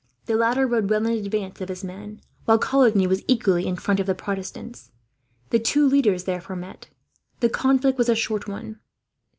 The latter rode well in advance of his men, while Coligny was equally in front of the Protestants. The two leaders therefore met. The conflict was a short one.